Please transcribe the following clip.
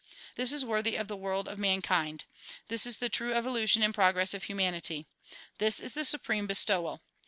This is worthy of the world of mankind. This is the true evolution and progress of humanity. This is the supreme bestowal.